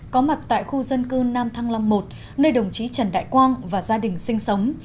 có mặt tại khu dân cư nam thăng long một nơi đồng chí trần đại quang và gia đình sinh sống